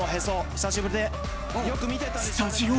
久しぶりでよく見てたでしょ。